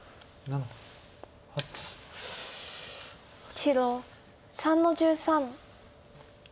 白３の十三。